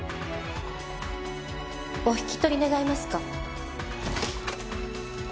お引き取り願えますか？